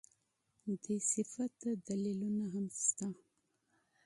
دې تعریف ته دلیلونه هم شته